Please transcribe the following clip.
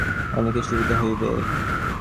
এরূপ কল্পনায় তোমার সাধনে অনেক সুবিধা হইবে।